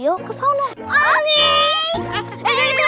udah kalau gitu kita kalian kesana